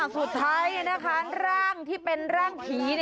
สุดท้ายนะคะร่างที่เป็นร่างผี